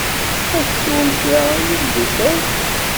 Ad teswem kra i imeddukal?